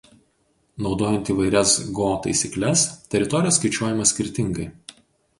Naudojant įvairias go taisykles teritorija skaičiuojama skirtingai.